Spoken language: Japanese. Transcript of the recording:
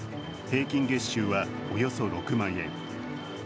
平均月収はおよそ６万円。